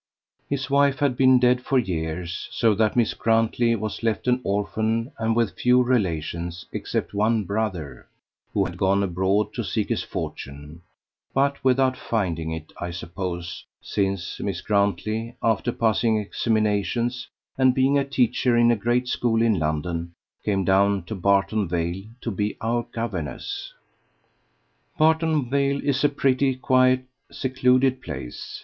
His wife had been dead for years, so that Miss Grantley was left an orphan and with few relations except one brother, who had gone abroad to seek his fortune, but without finding it, I suppose, since Miss Grantley, after passing examinations and being a teacher in a great school in London, came down to Barton Vale to be our governess. Barton Vale is a pretty, quiet, secluded place.